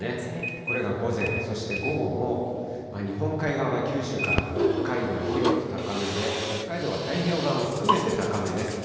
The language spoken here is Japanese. これが午前、そして午後も日本海側、九州から北海道広く高めで、北海道は太平洋側も含めて高めです。